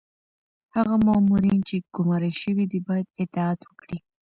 هغه مامورین چي ګمارل شوي دي باید اطاعت وکړي.